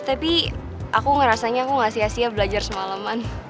tapi aku ngerasanya aku gak sia sia belajar semalaman